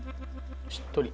しっとり。